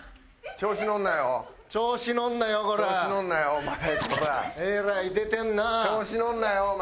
調子乗るなよお前。